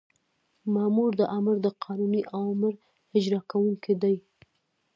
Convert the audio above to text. مامور د آمر د قانوني اوامرو اجرا کوونکی دی.